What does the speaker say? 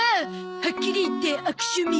はっきり言って悪趣味！